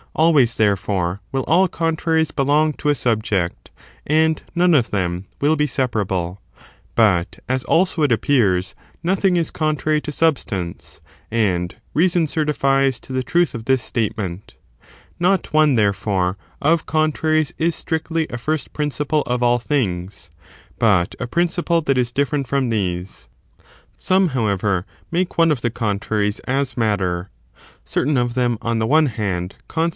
Always, therefore, will all contraries belong to a subject, and none of them will be separable. But, as also it appears, nothing is contrary to substance, and reason certifies to the truth of this statement. Not one, therefore, of contraries is strictly a first principle of all things, but a principle that is different from these. 2 Different Some, howevcr, make one of the contraries as theories on this matter; Certain of them, on the one hand, const!